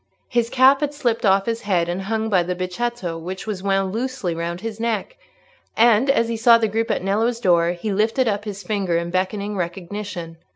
His cap had slipped off his head, and hung by the becchetto which was wound loosely round his neck; and as he saw the group at Nello's door he lifted up his fingers in beckoning recognition.